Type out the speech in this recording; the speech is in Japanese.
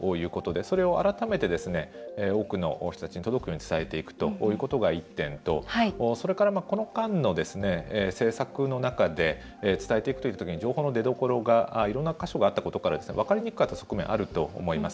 それを改めて多くの人たちに届くように伝えていくということが１点とそれから、この間の政策の中で、伝えていく間状況の出どころがいろんな箇所があったことから分かりにくかった側面があると思います。